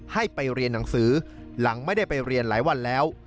ให้ไปเรียนหนังสือหลังไม่ได้ไปเรียนหลายวันแล้ว